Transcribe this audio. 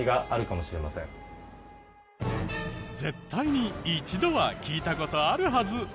絶対に一度は聞いた事あるはず。